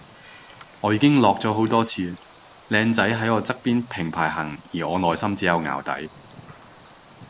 我已經落咗幾次，靚仔喺我側邊平排行而我內心只有淆底